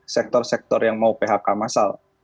sektor sektor yang mau phk masal